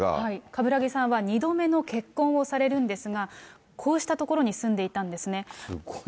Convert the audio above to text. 冠木さんは２度目の結婚をされるんですが、こうした所に住んでいたんですね。